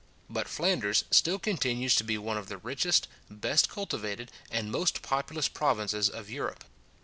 But Flanders still continues to be one of the richest, best cultivated, and most populous provinces of Europe.